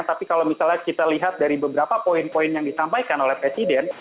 tapi kalau misalnya kita lihat dari beberapa poin poin yang disampaikan oleh presiden